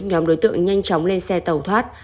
nhóm đối tượng nhanh chóng lên xe tàu thoát